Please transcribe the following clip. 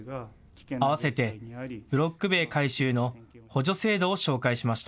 あわせてブロック塀改修の補助制度を紹介しました。